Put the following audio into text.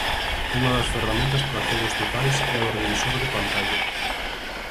Unha das ferramentas para cegos totais é o revisor de pantalla.